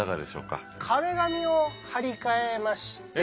壁紙を張り替えまして。